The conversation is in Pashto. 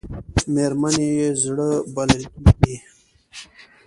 مېرمنې یې زړه بلل کېږي .